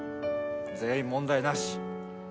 全員問題なし。